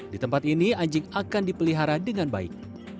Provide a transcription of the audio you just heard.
di tempat ini anjing akan dipelihara dengan baik